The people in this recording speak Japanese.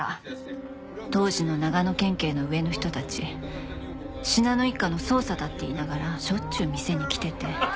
当時の長野県警の上の人たち信濃一家の捜査だって言いながらしょっちゅう店に来てて。